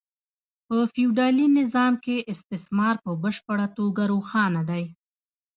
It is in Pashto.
په فیوډالي نظام کې استثمار په بشپړه توګه روښانه دی